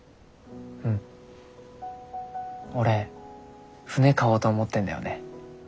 俺船買おうと思ってんだよね。